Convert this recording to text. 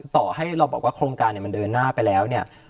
ต่อให้เราบอกว่าโครงการมันเดินหน้าไปแล้วเนี่ย